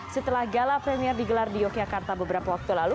setelah gala premier digelar di yogyakarta beberapa waktu lalu